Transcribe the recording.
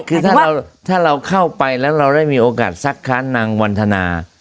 คือถ้าเราถ้าเราเข้าไปแล้วเราได้มีโอกาสซักครั้งนางวันทนา